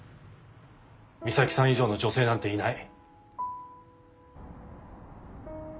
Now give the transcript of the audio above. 美咲さん以上の女性なんていない。